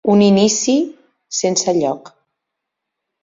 Un inici sense lloc.